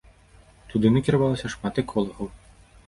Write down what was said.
Туды накіравалася шмат эколагаў.